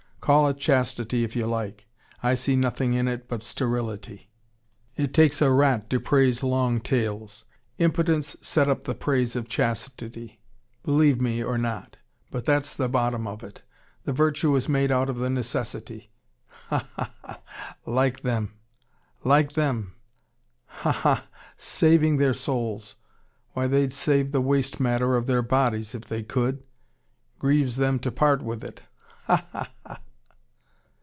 Call it chastity, if you like. I see nothing in it but sterility. It takes a rat to praise long tails. Impotence set up the praise of chastity believe me or not but that's the bottom of it. The virtue is made out of the necessity. Ha ha ha! Like them! Like them! Ha ha! Saving their souls! Why they'd save the waste matter of their bodies if they could. Grieves them to part with it. Ha! ha! ha!"